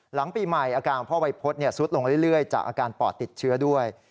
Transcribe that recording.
หลังปีใหม่อาการพ่อวัยพฤษสุดลงเรื่อยจากอาการปอดติดเชื้อด้วย